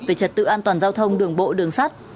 về trật tự an toàn giao thông đường bộ đường sắt